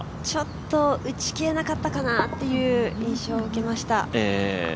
ちょっと打ちきれなかったかなという印象を受けました。